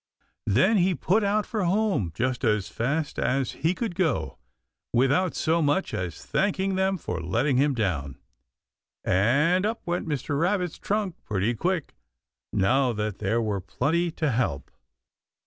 Then he put out for home just about as fast as he could go, without so much as thanking them for letting him down, and up went Mr. Rabbit's trunk pretty quick, now that there were plenty to help.